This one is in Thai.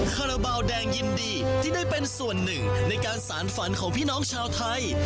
คาราบาลแดงยินดีที่ได้เป็นส่วนหนึ่งในการสารฝันของพี่น้องชาวไทย